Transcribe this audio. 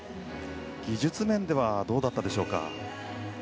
技術面ではどうだったでしょうか。